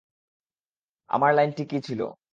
আমার লাইনটি কী ছিল?